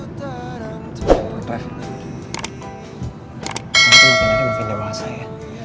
nanti makin ada makin dewasa ya